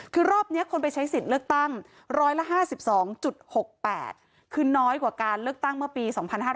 คือรอบนี้คนไปใช้สิทธิ์เลือกตั้ง๑๕๒๖๘คือน้อยกว่าการเลือกตั้งเมื่อปี๒๕๕๙